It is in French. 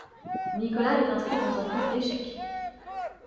Nicolas est inscrit dans un club d’échecs.